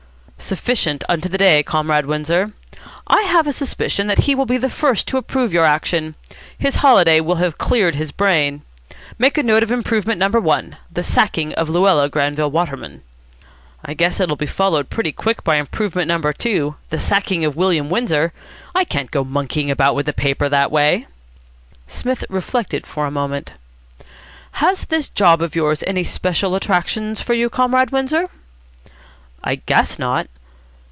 "Sufficient unto the day, Comrade Windsor. I have a suspicion that he will be the first to approve your action. His holiday will have cleared his brain. Make a note of improvement number one the sacking of Luella Granville Waterman." "I guess it'll be followed pretty quick by improvement number two the sacking of William Windsor. I can't go monkeying about with the paper that way." Psmith reflected for a moment. "Has this job of yours any special attractions for you, Comrade Windsor?" "I guess not."